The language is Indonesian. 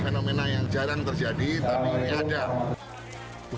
fenomena yang jarang terjadi tapi ini ada